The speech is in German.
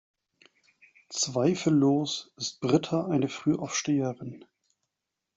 Zweifellos ist Britta eine Frühaufsteherin.